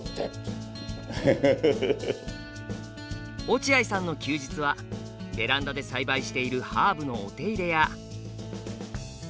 落合さんの休日はベランダで栽培しているハーブのお手入れや。